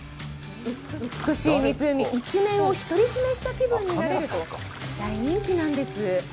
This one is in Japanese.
美しい湖一面を独り占めした気分になれると大人気なんです。